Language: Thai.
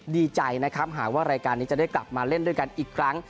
ดีใจนะครับหากว่ารายการนี้จะได้กลับมาเล่นด้วยกันอีกครั้ง